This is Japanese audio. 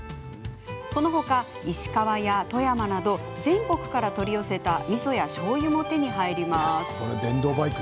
そのほか、石川や富山など全国から取り寄せたみそやしょうゆも手に入ります。